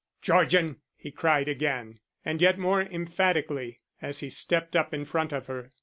"Georgian!" he cried again and yet more emphatically, as he stepped up in front of her.